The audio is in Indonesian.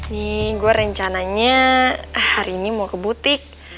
nih gue rencananya hari ini mau ke butik